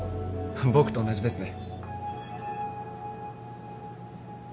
僕と同じですね。